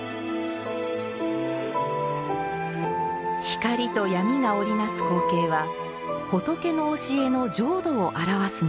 光と闇が織りなす光景は仏の教えの浄土を表すもの。